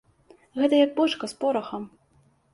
Гэта як бочка з порахам.